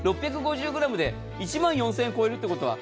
６５０ｇで１万４０００円を超えるということは。